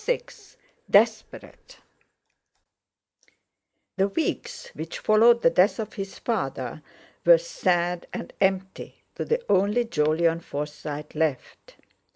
VI.—DESPERATE The weeks which followed the death of his father were sad and empty to the only Jolyon Forsyte left.